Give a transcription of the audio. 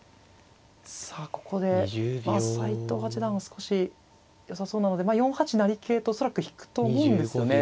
さあここで斎藤八段は少しよさそうなので４八成桂と恐らく引くと思うんですよね。